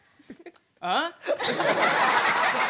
ああ！？